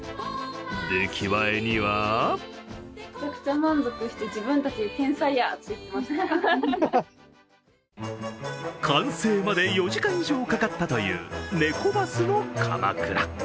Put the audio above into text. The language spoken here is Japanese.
出来栄えには完成まで４時間以上かかったというネコバスのかまくら。